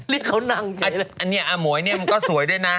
เล็กเขานั่งเจ๊เลยอันเนี่ยอ๋อหมวยเนี่ยมันก็สวยด้วยนะ